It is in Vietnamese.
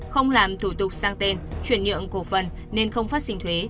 không làm thủ tục sang tên chuyển nhượng cổ phần nên không phát sinh thuế